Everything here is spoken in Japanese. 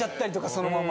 そのまま。